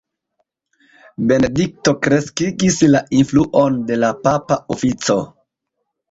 Benedikto kreskigis la influon de la papa ofico.